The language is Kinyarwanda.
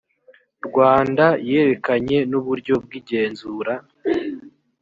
rwanda yerekeranye n uburyo bw igenzura